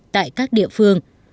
tại các địa phương